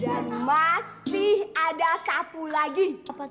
dan masih ada satu lagi